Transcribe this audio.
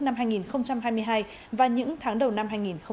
năm hai nghìn hai mươi hai và những tháng đầu năm hai nghìn hai mươi bốn